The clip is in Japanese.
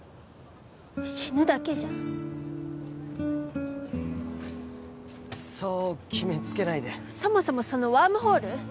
死ぬだけじゃんそう決めつけないでそもそもそのワームホール？